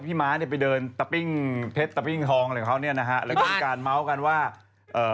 ม้าเนี่ยไปเดินตะปิ้งเพชรตะปิ้งทองอะไรของเขาเนี่ยนะฮะแล้วก็มีการเมาส์กันว่าเอ่อ